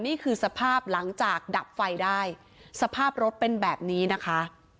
นี่คือสภาพหลังจากดับไฟได้สภาพรถเป็นแบบนี้นะคะ